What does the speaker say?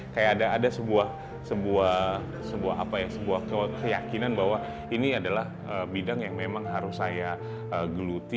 kayak ada sebuah keyakinan bahwa ini adalah bidang yang memang harus saya geluti